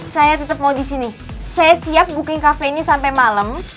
saya tetep mau disini saya siap booking cafe nya sampe malem